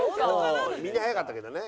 みんな速かったけどね。